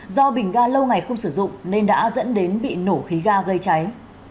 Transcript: do bình ga lâu ngày không sử dụng nên đã dẫn đến bị nổ khí ga gây cháy